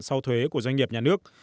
sau thuế của doanh nghiệp nhà nước